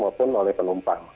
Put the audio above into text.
maupun oleh penumpang